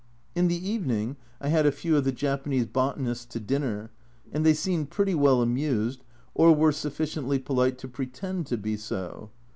In the evening I had a few of the Japanese botanists to dinner, and they seemed pretty well amused, or were sufficiently polite to pretend to be so.